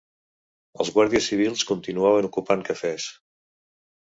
Els guàrdies civils continuaven ocupant cafès